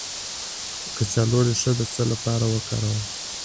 د کچالو ریښه د څه لپاره وکاروم؟